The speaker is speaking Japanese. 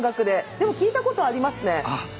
でも、聴いたことありますね。